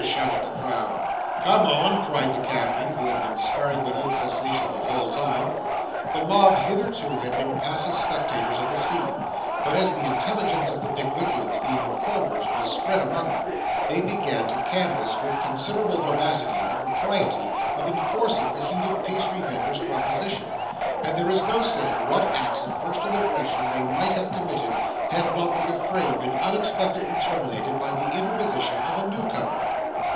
shouted the crowd. 'Come on,' cried the cabman, who had been sparring without cessation the whole time. The mob hitherto had been passive spectators of the scene, but as the intelligence of the Pickwickians being informers was spread among them, they began to canvass with considerable vivacity the propriety of enforcing the heated pastry vendor's proposition: and there is no saying what acts of personal aggression they might have committed, had not the affray been unexpectedly terminated by the interposition of a new comer.